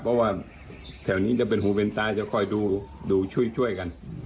เพราะว่าแถวนี้จะเป็นหูเป็นตาจะคอยดูช่วยกัน